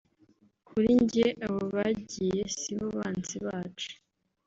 kurijye abo bagiye sibo banzi bacu